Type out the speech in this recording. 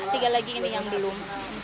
tiga lagi ini yang belum